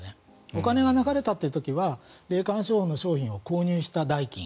お金が流れた時は霊感商法の商品を購入した代金。